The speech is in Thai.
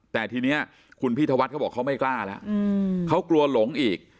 แต่ทีนี้คุณพี่ธวัฒน์เขาบอกเขาไม่กล้าแล้วเขากลัวหลงอีก